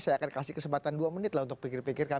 saya akan kasih kesempatan dua menit lah untuk pikir pikir